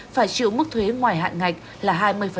phải chịu mức thuế ngoài hạn ngạch là hai mươi